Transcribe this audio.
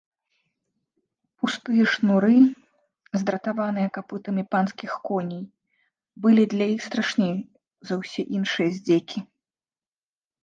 Пустыя шнуры, здратаваныя капытамі панскіх коней, былі для іх страшней за ўсе іншыя здзекі.